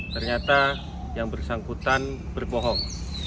ternyata yang bersangkutan berbohong